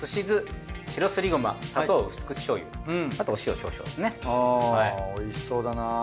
あおいしそうだな。